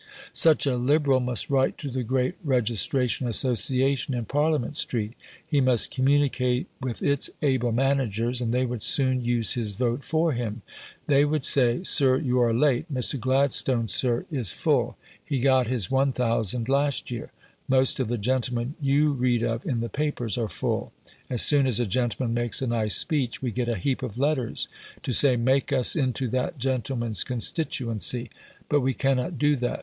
Such a Liberal must write to the great Registration Association in Parliament Street; he must communicate with its able managers, and they would soon use his vote for him. They would say, "Sir, you are late; Mr. Gladstone, sir, is full. He got his 1000 last year. Most of the gentlemen you read of in the papers are full. As soon as a gentleman makes a nice speech, we get a heap of letters to say, 'Make us into that gentleman's constituency'. But we cannot do that.